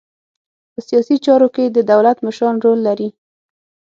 په سیاسي چارو کې د دولت مشران رول لري